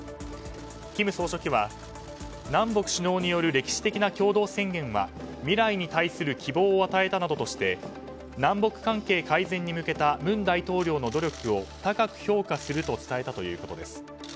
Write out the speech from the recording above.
金総書記は、南北首脳による歴史的な共同宣言は未来に対する希望を与えたなどとして南北関係改善に向けた文大統領の努力を高く評価すると伝えたということです。